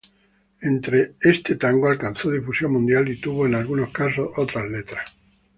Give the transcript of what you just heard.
Este tango alcanzó difusión mundial y tuvo, en algunos casos, otras letras.